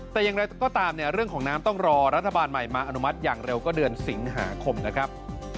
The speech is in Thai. แต่อย่างไรก็ตามเนี่ยเรื่องของน้ำต้องรอรัฐบาลใหม่มาอนุมัติอย่างเร็วก็เดือนสิงหาคมนะครับ